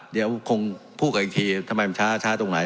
เดี๋ยวคงพูดกันอีกทีทำไมมันช้าตรงไหน